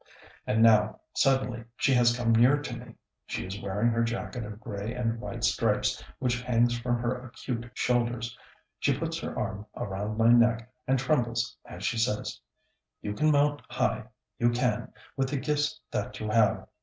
And now, suddenly, she has come near to me. She is wearing her jacket of gray and white stripes which hangs from her acute shoulders, she puts her arm around my neck, and trembles as she says, "You can mount high, you can, with the gifts that you have.